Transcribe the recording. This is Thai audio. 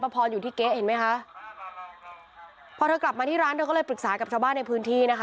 พออยู่ที่เก๊เห็นไหมคะพอเธอกลับมาที่ร้านเธอก็เลยปรึกษากับชาวบ้านในพื้นที่นะคะ